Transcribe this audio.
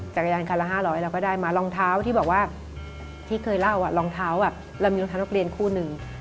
จักรยานคันละ๕๐๐เราก็ได้มารองเท้าที่บอกว่าที่เคยเล่ารองเท้าเรามีรองเท้านักเรียนคู่หนึ่ง